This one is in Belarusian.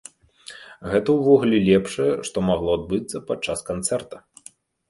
Гэта ўвогуле лепшае, што магло адбыцца падчас канцэрта!